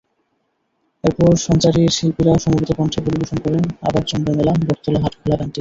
এরপর সঞ্চারীর শিল্পীরা সমবেত কণ্ঠে পরিবেশন করেন আবার জমবে মেলা বটতলা হাটখোলা গানটি।